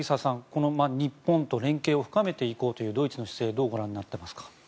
この日本と連携を深めていこうというドイツの姿勢どうご覧になっていますか。